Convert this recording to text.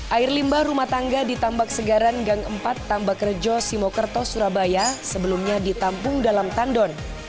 air limbah rumah tangga di tambak segaran gang empat tambak rejo simokerto surabaya sebelumnya ditampung dalam tandon